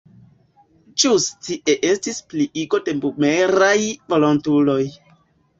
Ĵus tie estis pliigo de bumeraj volontuloj.